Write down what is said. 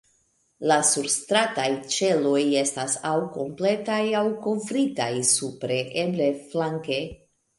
La surstrataj ĉeloj estas aŭ kompletaj, aŭ kovritaj supre, eble flanke.